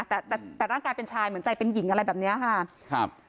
แต่แต่ร่างกายเป็นชายเหมือนใจเป็นหญิงอะไรแบบเนี้ยค่ะครับ